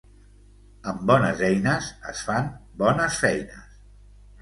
Amb bones eines es fan bones feines.